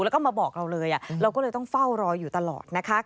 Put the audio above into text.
แล้วก็มาบอกเราเลยเราก็เลยต้องเฝ้ารออยู่ตลอดนะคะ